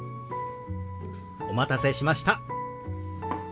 お待たせしました。